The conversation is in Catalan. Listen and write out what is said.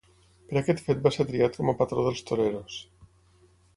Per aquest fet va ser triat com a patró dels toreros.